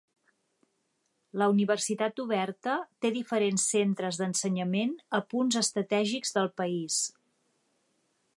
La Universitat Oberta té diferents centres d'ensenyament a punts estratègics del país.